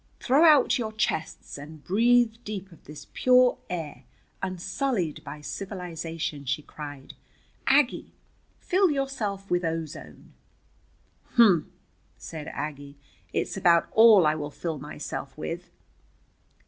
"Throw out your chests, and breathe deep of this pure air unsullied by civilization," she cried. "Aggie, fill yourself with ozone." "Humph!" said Aggie. "It's about all I will fill myself with."